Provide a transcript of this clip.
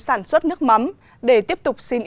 sản xuất nước mắm để tiếp tục xin